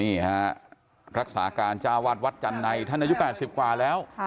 นี่ฮะรักษาการจ้าวาดวัดจันทร์ในท่านอายุ๘๐กว่าแล้ว